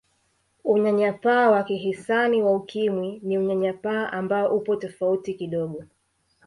Unyanyapaa wa kihisani wa Ukimwi ni Unyanyapaa ambao upo tofauti kidogo